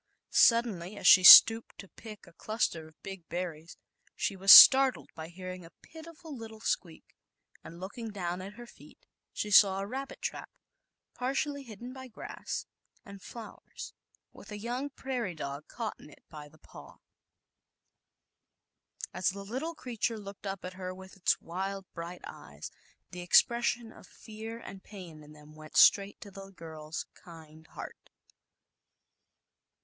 Suddenly, as she stooped to pick a cluster of big berries, she was startled by hearing a pitiful little squeak, and looking down at her feet she saw a rab bit trap, partly hidden by grass and flow ers, with a young prairie dog caught in it by the paw. 36 ZAUBERLINDA, THE WISE WITCH. As the little creature looked up at her with its wild, bright eyes, the expression of fear and pain in them went straight to s kind heart.